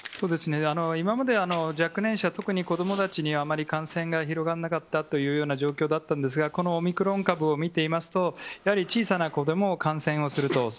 今まで若年者、特に子供たちにあまり感染が広がらなかったという状況だったんですがこのオミクロン株を見てみますと小さな子でも感染をすると。